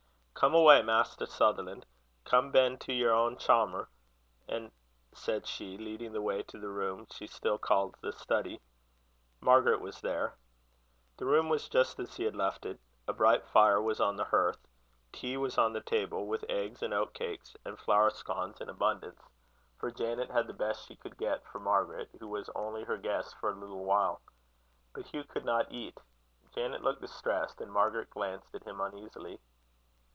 "Come awa', Maister Sutherlan'; come ben to yer ain chaumer," said she, leading the way to the room she still called the study. Margaret was there. The room was just as he had left it. A bright fire was on the hearth. Tea was on the table, with eggs, and oatcakes, and flour scones in abundance; for Janet had the best she could get for Margaret, who was only her guest for a little while. But Hugh could not eat. Janet looked distressed, and Margaret glanced at him uneasily.